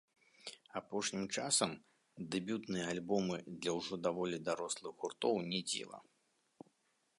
Апошнім часам дэбютныя альбомы для ўжо даволі дарослых гуртоў не дзіва.